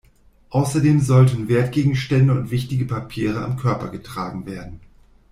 Außerdem sollten Wertgegenstände und wichtige Papiere am Körper getragen werden.